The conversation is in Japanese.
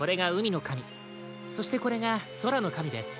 そしてこれがそらのかみです。